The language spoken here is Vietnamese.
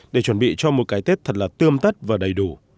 để chuẩn bị cho một cái tết thật là tươm tắt và đầy đủ